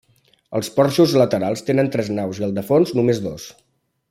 Els porxos laterals tenen tres naus i el del fons només dos.